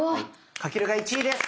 翔が１位です！